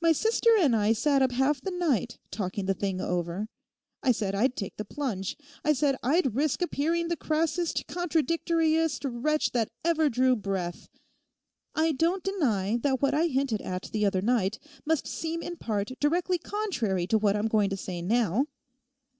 My sister and I sat up half the night talking the thing over. I said I'd take the plunge. I said I'd risk appearing the crassest, contradictoriest wretch that ever drew breath. I don't deny that what I hinted at the other night must seem in part directly contrary to what I'm going to say now.